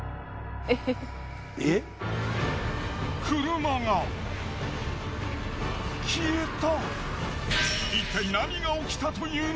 車が消えた？